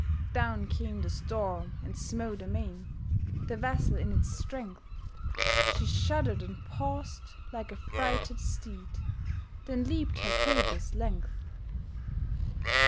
Down came the storm, and smote amain The vessel in its strength; She shudder'd and paused, like a frighted steed, Then leap'd her cable's length.